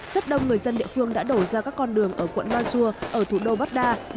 rất đông người dân địa phương đã đổ ra các con đường ở quận bajua ở thủ đô baghdad